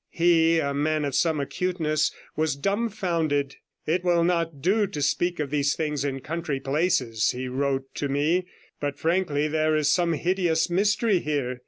He, a man of some acuteness, was dumbfounded. 'It will not do to speak of these things in country places,' he wrote to me; 'but frankly, there is some hideous mystery here.